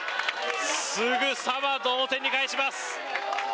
すぐさま同点に返します！